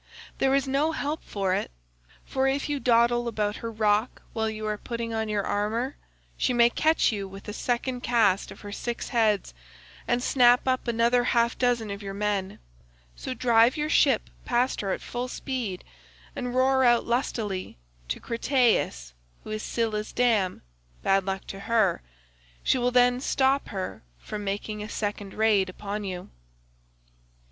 There is no help for it; your best chance will be to get by her as fast as ever you can, for if you dawdle about her rock while you are putting on your armour, she may catch you with a second cast of her six heads, and snap up another half dozen of your men; so drive your ship past her at full speed, and roar out lustily to Crataiis who is Scylla's dam, bad luck to her; she will then stop her from making a second raid upon you.